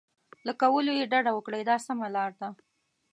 له کولو یې ډډه وکړئ دا سمه لار ده.